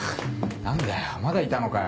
何だよまだいたのかよ。